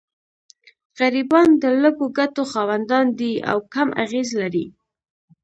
غریبان د لږو ګټو خاوندان دي او کم اغېز لري.